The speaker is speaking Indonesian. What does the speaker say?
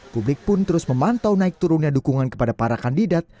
publik pun terus memantau naik turunnya dukungan kepada para kandidat